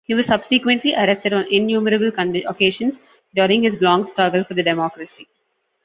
He was subsequently arrested on innumerable occasions during his long struggle for the democracy.